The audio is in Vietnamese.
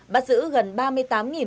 bắt giữ gần ba mươi tám bảy trăm linh vụ